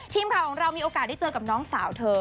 ทีมข่าวของเรามีโอกาสได้เจอกับน้องสาวเธอ